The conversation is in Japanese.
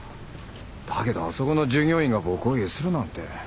だけどあそこの従業員が僕をゆするなんて。